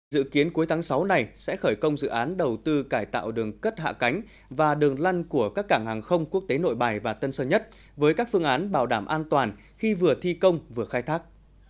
dự kiến cuối tháng sáu này sẽ khởi công dự án đầu tư cải tạo đường cất hạ cánh và đường lăn của các cảng hàng không quốc tế nội bài và tân sơn nhất với các phương án bảo đảm an toàn khi vừa thi công vừa khai thác